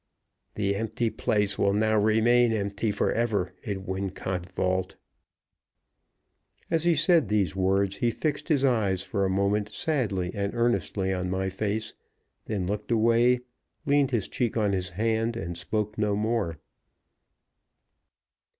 "The empty place will now remain empty forever in Wincot vault." As he said these words, he fixed his eyes for a moment sadly and earnestly on my face, then looked away, leaned his cheek on his hand, and spoke no more.